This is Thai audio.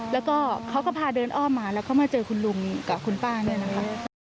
แล้วก็เขาก็พาเดินอ้อมมาแล้วเขามาเจอคุณลุงกับคุณป้าเนี่ยนะครับ